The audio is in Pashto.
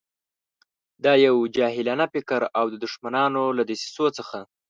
دا یو جاهلانه فکر او د دښمنانو له دسیسو څخه.